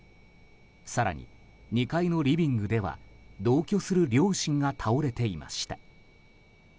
更に、２階のリビングでは同居する両親が倒れていました。